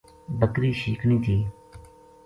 بکری شیکنی تھی